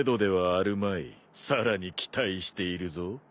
さらに期待しているぞ。